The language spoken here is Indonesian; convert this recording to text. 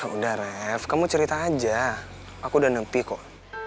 udah rev kamu cerita aja aku udah nepi kok